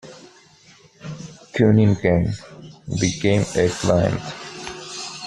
Cunningham became a client.